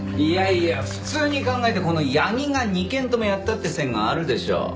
いやいや普通に考えてこの八木が２件ともやったって線があるでしょ。